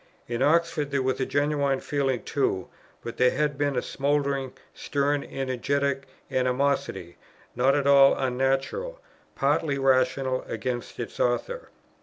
In Oxford there was genuine feeling too; but there had been a smouldering, stern, energetic animosity, not at all unnatural, partly rational, against its author.